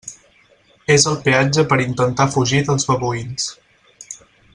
És el peatge per intentar fugir dels babuïns.